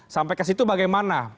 sampai ke situ bagaimana